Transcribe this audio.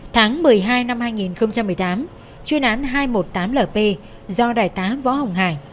tháng một mươi hai năm hai nghìn một mươi tám chuyên án hai trăm một mươi tám lp do đại tá võ hồng hải